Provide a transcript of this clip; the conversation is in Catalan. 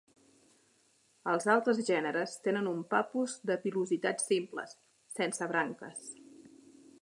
Els altres gèneres tenen un Papus de pilositats simples, sense branques.